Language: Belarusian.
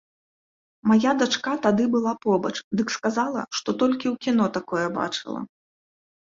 Мая дачка тады была побач, дык сказала, што толькі ў кіно такое бачыла.